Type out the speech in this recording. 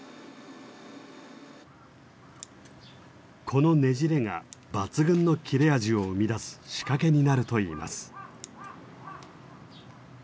このねじれが抜群の切れ味を生み出す仕掛けになるといいます。